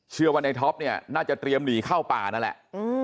เชื่อว่าในท็อปเนี่ยน่าจะเตรียมหนีเข้าป่านั่นแหละ